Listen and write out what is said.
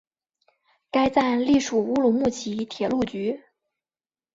该站隶属乌鲁木齐铁路局。